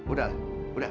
udah lah udah